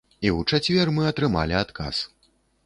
І ў чацвер мы атрымалі адказ.